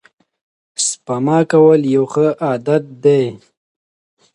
سپما کول یو ښه عادت دی.